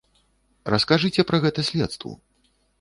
Раскажыце пра гэта следству.